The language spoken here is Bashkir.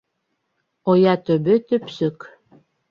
Оя төбө төпсөк.